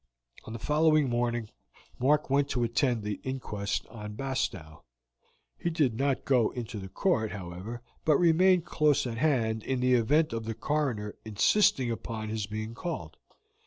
On the following morning Mark went to attend the inquest on Bastow. He did not go into the court, however, but remained close at hand in the event of the coroner insisting upon his being called.